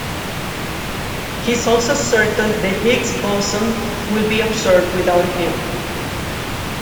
He is also certain the Higgs boson will be observed without him.